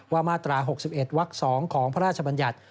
มาตรา๖๑วัก๒ของพระราชบัญญัติ